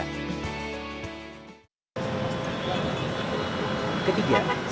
ketiga sebagai kontribusi untuk mencari makanan yang lebih baik